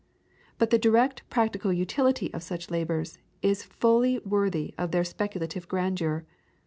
But the direct practical utility of such labours is fully worthy of their speculative grandeur.